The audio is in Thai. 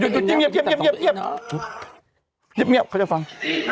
เจ๊มเขาจะฟัง